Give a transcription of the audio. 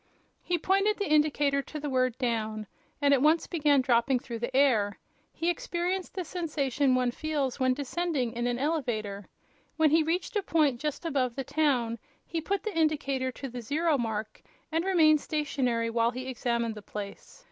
He pointed the indicator to the word "down," and at once began dropping through the air. He experienced the sensation one feels while descending in an elevator. When he reached a point just above the town he put the indicator to the zero mark and remained stationary, while he examined the place.